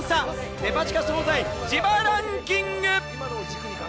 デパ地下総菜・自腹ンキング。